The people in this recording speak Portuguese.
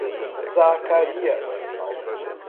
Zacarias